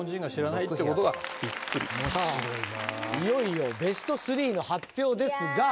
いよいよベスト３の発表ですが。